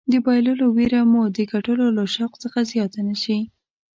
د بایللو ویره مو د ګټلو له شوق څخه زیاته نه شي.